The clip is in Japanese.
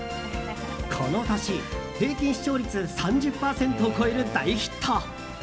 この年、平均視聴率３０％を超える大ヒット。